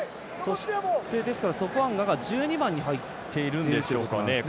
ソポアンガが１２番に入っているんでしょうかね。